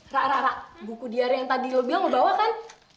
ra ra ra buku di area yang tadi lo bilang lo bawa kan